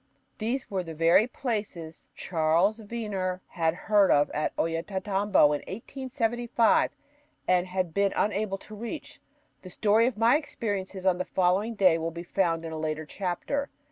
These were the very places Charles Wiener heard of at Ollantaytambo in 1875 and had been unable to reach. The story of my experiences on the following day will be found in a later chapter.